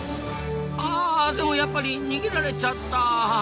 あでもやっぱり逃げられちゃった。